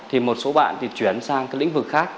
thì một số bạn thì chuyển sang các lĩnh vực khác